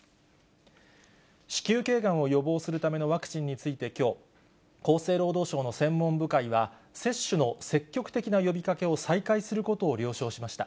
子宮けいがんを予防するためのワクチンについてきょう、厚生労働省の専門部会は、接種の積極的な呼びかけを再開することを了承しました。